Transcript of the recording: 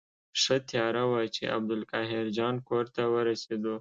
ښه تیاره وه چې عبدالقاهر جان کور ته ورسېدو.